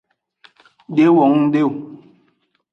De wo ngde o.